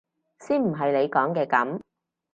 先唔係你講嘅噉！